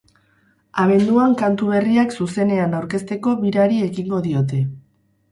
Abenduan kantu berriak zuzenean aurkezteko birari ekingo diote.